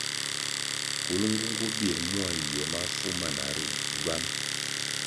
Kulnğunğu bir mua nywiè mafu mana ri ngywam.